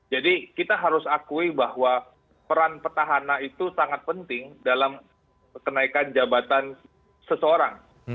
kita harus akui bahwa peran petahana itu sangat penting dalam kenaikan jabatan seseorang